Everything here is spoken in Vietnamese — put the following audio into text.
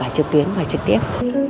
học cả trực tuyến và trực tiếp